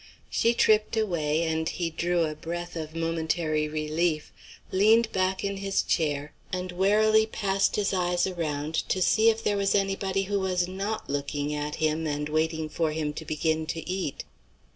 She tripped away, and he drew a breath of momentary relief, leaned back in his chair, and warily passed his eyes around to see if there was anybody who was not looking at him and waiting for him to begin to eat.